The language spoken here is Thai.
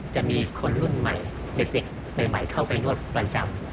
จะมีคนรุ่นใหม่เด็กใหม่เข้าไปนวดประจำ